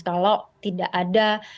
kalau tidak ada